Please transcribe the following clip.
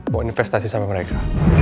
buat investasi sama mereka